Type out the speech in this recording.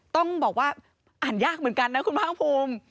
ต้องบอกว่าอ่านยากเหมือนกันนะคุณภาคภูมิ